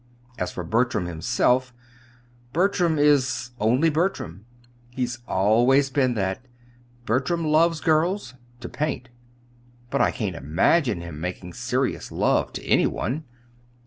As for Bertram himself Bertram is 'only Bertram.' He's always been that. Bertram loves girls to paint; but I can't imagine him making serious love to any one.